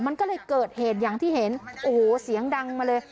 มันก็เลยเกิดเหตุอย่างที่เห็นโอ้โหเสียงดังมาเลย